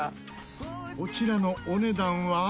こちらのお値段は。